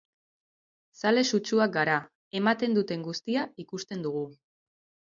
Zale sutsuak gara, ematen duten guztia ikusten dugu.